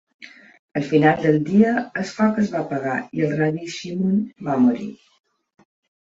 Al final del dia, el foc es va apagar i el rabí Shimon va morir.